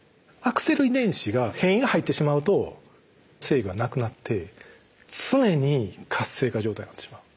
遺伝子が変異が入ってしまうと制御はなくなって常に活性化状態になってしまう。